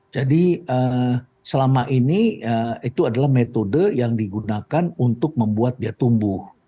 jadi selama ini itu adalah metode yang digunakan untuk membuat dia tumbuh